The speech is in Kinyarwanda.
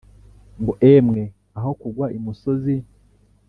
Ngo emwe aho kugwa imusozi